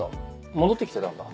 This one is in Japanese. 戻ってきてたんだ。